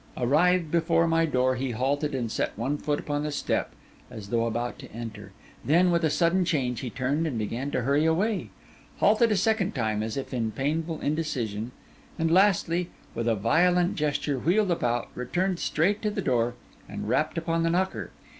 Arrived before my door, he halted and set one foot upon the step, as though about to enter; then, with a sudden change, he turned and began to hurry away; halted a second time, as if in painful indecision; and lastly, with a violent gesture, wheeled about, returned straight to the door, and rapped upon the knocker.